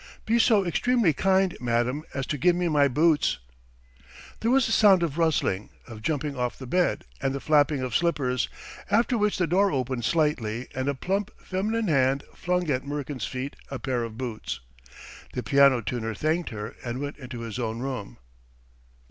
Be so extremely kind, madam, as to give me my boots!" There was a sound of rustling, of jumping off the bed and the flapping of slippers, after which the door opened slightly and a plump feminine hand flung at Murkin's feet a pair of boots. The piano tuner thanked her and went into his own room.